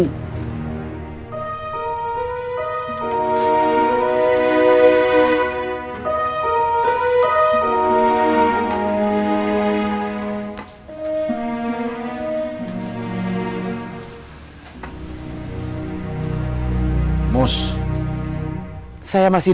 itu sangat weniger lah